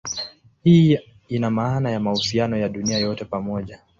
Hii ina maana ya mahusiano ya dunia yote pamoja.